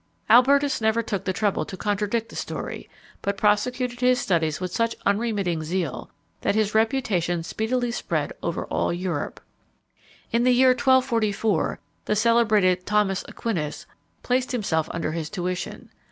Albertus never took the trouble to contradict the story, but prosecuted his studies with such unremitting zeal, that his reputation speedily spread over all Europe. In the year 1244, the celebrated Thomas Aquinas placed himself under his tuition.